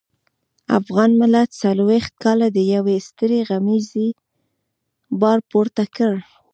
افغان ملت څلويښت کاله د يوې سترې غمیزې بار پورته کړ.